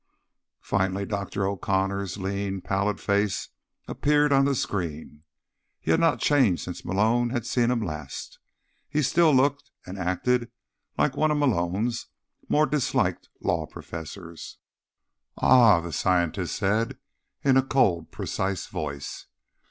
Finally Dr. O'Connor's lean, pallid face appeared on the screen. He had not changed since Malone had last seen him. He still looked, and acted, like one of Malone's more disliked law professors. "Ah," the scientist said in a cold, precise voice.